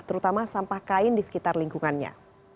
terutama sampah kain di sekitar lingkungannya